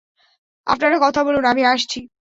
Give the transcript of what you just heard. আপনারা কথা বলুন, আমি আসছি।